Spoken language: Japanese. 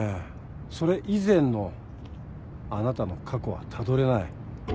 それ以前のあなたの過去はたどれない。